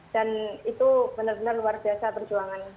dan itu benar benar luar biasa perjuangan